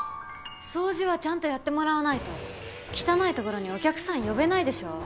掃除はちゃんとやってもらわないと汚いところにお客さん呼べないでしょ。